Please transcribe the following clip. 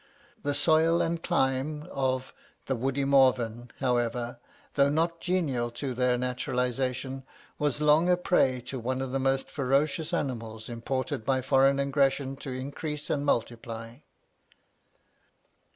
The soil and clime of the 'woody Morven,' however, though not genial to their naturalisation, was long a prey to one of the most ferocious animals imported by foreign aggression to increase and multiply.